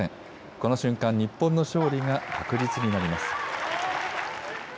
この瞬間、日本の勝利が確実になります。